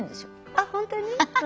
あっ本当に！